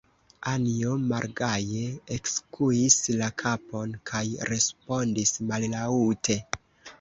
Anjo malgaje ekskuis la kapon kaj respondis mallaŭte: